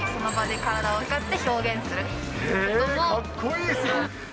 かっこいいですね。